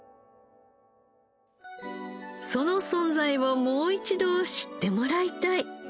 その存在をもう一度知ってもらいたい！